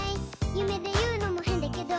「ゆめでいうのもへんだけど」